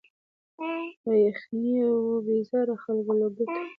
له یخنیه وه بېزار خلک له ګټو